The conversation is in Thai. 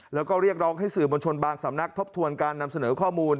แล้วก็เรียกร้องให้สื่อมวลชนบางสำนักทบทวนการนำเสนอข้อมูล